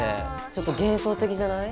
ちょっと幻想的じゃない？